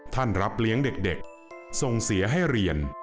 รับเลี้ยงเด็กส่งเสียให้เรียน